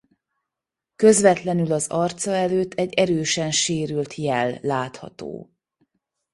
Közvetlenül az arca előtt egy erősen sérült jel látható.